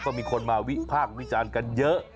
ก็มีคนมาวิพากษ์วิจารณ์กันเยอะ